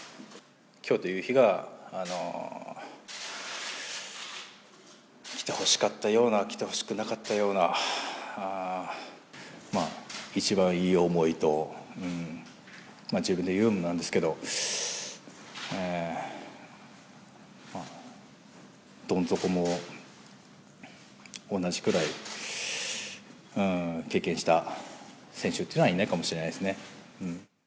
きょうという日がきてほしかったような、来てほしくなかったような、まあ、一番いい思いと、自分で言うのもなんですけど、どん底も同じくらい経験した選手というのはいないかもしれないですね。